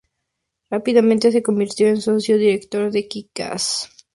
Rápidamente se convirtió en socio directo de Kick-Ass en la lucha contra la delincuencia.